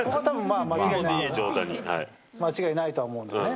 間違いないとは思うんでね。